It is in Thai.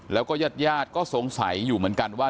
แล้วก็ญาติญาติก็สงสัยอยู่เหมือนกันว่า